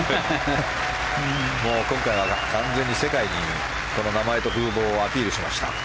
もう今回は単純に世界にこの名前と風ぼうをアピールしました。